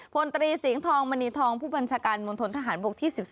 พลตรีเสียงทองมณีทองผู้บัญชาการมณฑนทหารบกที่๑๒